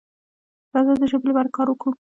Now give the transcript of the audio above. راځه د ژبې لپاره کار وکړو.